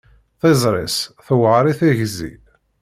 Tiẓri-s tewɛer i tigzi.